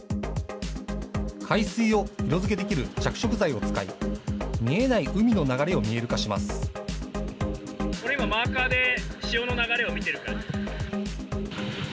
海水を色づけできる着色剤を使い、見えない海の流れを見える化します。